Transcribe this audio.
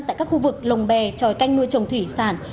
tại các khu vực lồng bè tròi canh nuôi trồng thủy sản